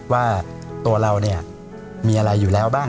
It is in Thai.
ว่าตัวเราเนี่ยมีอะไรอยู่แล้วบ้าง